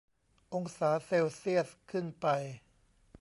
องศาเซลเซียสขึ้นไป